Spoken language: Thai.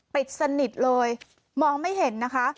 ปิดสนิทเลยมองไม่เห็นนะคะ